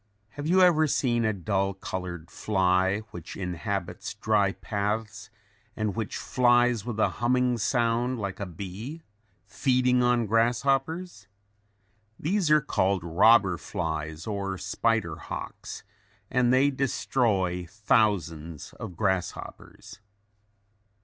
Have you ever seen a dull colored fly, which inhabits dry paths and which flies with a humming sound like a bee, feeding on grasshoppers? These are called "robber flies" or "spider hawks" and they destroy thousands of grasshoppers.